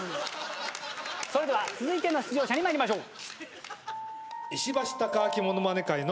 それでは続いての出場者に参りましょう。